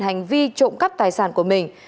hành vi trộm cắp tài sản của mình